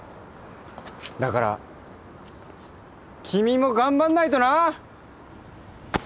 だから君も頑張らないとな！